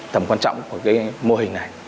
tầm quan trọng của mô hình này